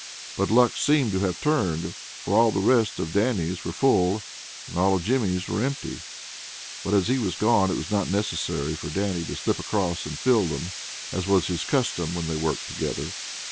But luck seemed to have turned, for all the rest of Dannie's were full, and all of Jimmy's were empty. But as he was gone, it was not necessary for Dannie to slip across and fill them, as was his custom when they worked together.